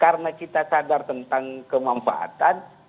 karena kita sadar tentang kemanfaatan